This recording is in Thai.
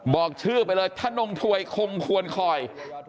บอกชื่อไปเลยถ้านมถวยคงควรคอย